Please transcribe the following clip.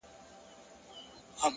د تمرکز دوام بریا ته لاره هواروي.!